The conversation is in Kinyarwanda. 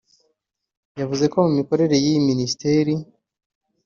yavuze ko mu mikorere y’iyi minisiteri